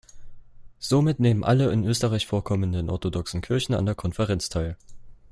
Somit nehmen alle in Österreich vorkommenden orthodoxen Kirchen an der Konferenz teil.